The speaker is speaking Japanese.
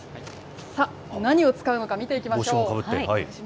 さあ、何を使うのか、見ていきましょう。